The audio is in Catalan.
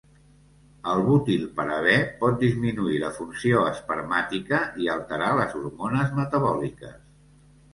El butilparabè pot disminuir la funció espermàtica i alterar les hormones metabòliques.